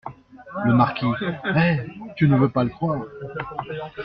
Le Marquis - Eh ! tu ne veux pas le croire !